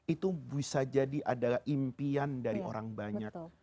itu bisa jadi adalah impian dari orang banyak